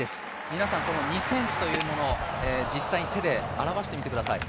皆さん、２ｃｍというものを実際に手で表してみてください。